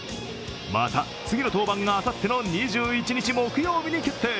また次の登板があさっての２１日木曜日に決定。